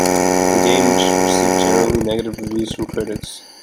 The game received generally negative reviews from critics.